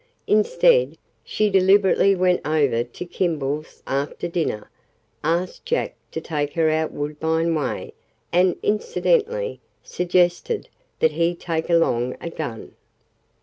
Instead, she deliberately went over to Kimball's after dinner, asked Jack to take her out Woodbine way, and incidentally suggested that he take along a gun.